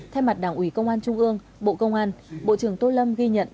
thay mặt đảng ủy công an trung ương bộ công an bộ trưởng tô lâm ghi nhận